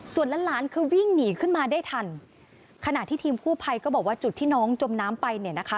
ส่วนล้านล้านคือวิ่งหนีขึ้นมาได้ทันขณะที่ทีมกู้ภัยก็บอกว่าจุดที่น้องจมน้ำไปเนี่ยนะคะ